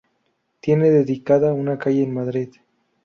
Tiene dedicada una calle en Madrid.